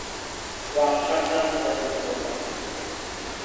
O a nkgathatsa ka dipotso tsa hao.